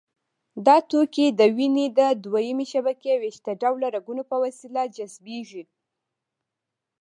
دا توکي د وینې د دویمې شبکې ویښته ډوله رګونو په وسیله جذبېږي.